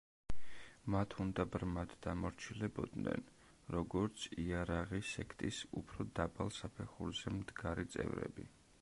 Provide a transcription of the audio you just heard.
მათ უნდა ბრმად დამორჩილებოდნენ, როგორც იარაღი სექტის უფრო დაბალ საფეხურზე მდგარი წევრები.